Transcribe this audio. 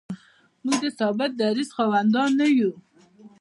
موږ د ثابت دریځ خاوندان نه یو.